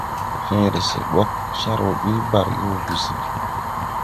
Fęęre sɛ bogn car wɔ bil barge gɔ gùsi.